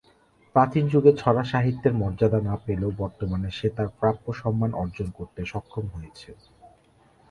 প্রাচীন যুগে ‘ছড়া’ সাহিত্যের মর্যাদা না পেলেও বর্তমানে সে তার প্রাপ্য সম্মান অর্জন করতে সক্ষম হয়েছে।